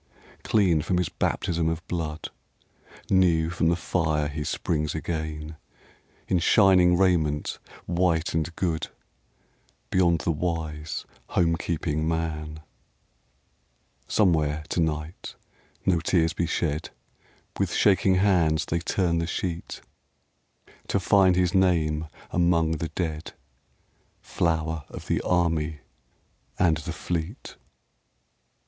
Clean from his baptism of blood, New from the fire he springs again, In shining raiment white and good, Beyond the wise, home keeping man. THE GREAT CHANCE 17 Somewhere to night no tears be shed ! With shaking hands they turn the sheet To find his name among the dead, Flower of the Army and the Fleet.